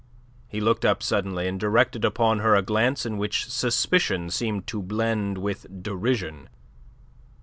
He looked up suddenly, and directed upon her a glance in which suspicion seemed to blend with derision.